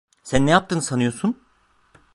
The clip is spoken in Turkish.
Sen ne yaptığını sanıyorsun?